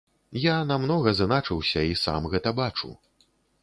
Я намнога зыначыўся і сам гэта бачу.